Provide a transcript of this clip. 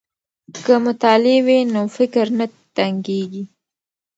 که مطالع وي نو فکر نه تنګیږي.